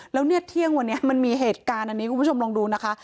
แล้วเนี๊ยดเที่ยงอันนี้มันมีอันอันนี่คุณผู้ชมลองดูนะคะ